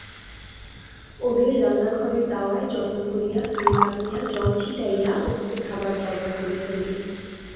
ওদের রান্নাঘরের দাওয়ায় যত্ন করিয়া পিড়ি পাতিয়া জল ছিটাইয়া অপুকে খাবার জায়গা করিয়া দিল।